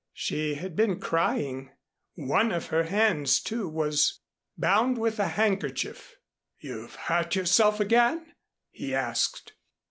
She had been crying. One of her hands, too, was bound with a handkerchief. "You've hurt yourself again?" he asked.